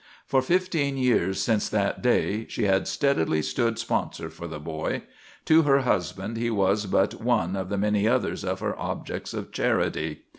For fifteen years since that day she had steadily stood sponsor for the boy. To her husband he was but one of the many others of her objects of charity.